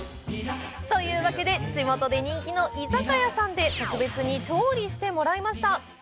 というわけで地元で人気の居酒屋さんで特別に調理してもらいました。